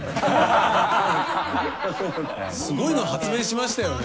すごいの発明しましたよね。